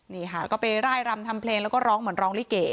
นี่ค่ะก็ไปร่ายรำทำเพลงแล้วก็ร้องเหมือนร้องลิเก